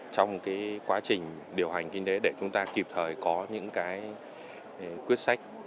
trong quá trình điều hành kinh tế để chúng ta kịp thời có những cái quyết sách